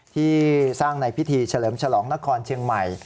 ที่สร้างในพิธีเฉลิมฉลองนครเชียงใหม่